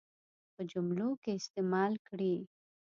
په جملو کې استعمال کړي.